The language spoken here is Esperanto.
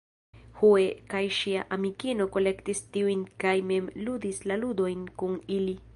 Hue kaj ŝia amikino kolektis tiujn kaj mem ludis la ludojn kun ili.